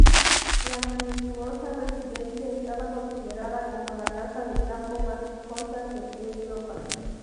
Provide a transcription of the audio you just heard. La suntuosa residencia estaba considerada como la casa de campo más lujosa de Europa.